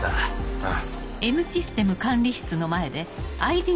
ああ。